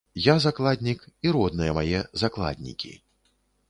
Я закладнік, і родныя мае закладнікі.